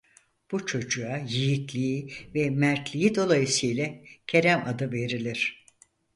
Bu çocuğa yiğitliği ve mertliği dolayısı ile Kerem adı verilir.